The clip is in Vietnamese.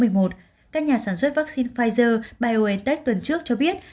các nhà sản xuất vaccine pfizer biontech tuần trước cho biết